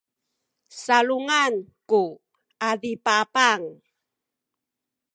salunganay ku adipapang